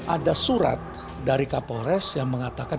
ada surat dari kapolres yang mengatakan